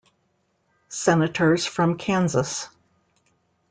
Senators from Kansas.